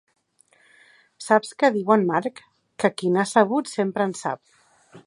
Saps què diu en Marc? Que qui n'ha sabut sempre en sap.